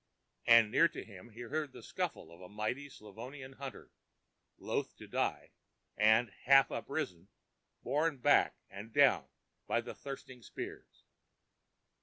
And near to him he heard the scuffle of a mighty Slavonian hunter, loath to die, and, half uprisen, borne back and down by the thirsty spears.